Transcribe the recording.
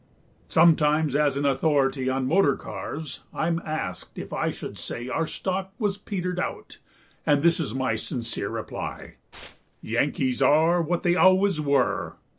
Sometimes as an authority On motor cars, I'm asked if I Should say our stock was petered out, And this is my sincere reply: Yankees are what they always were.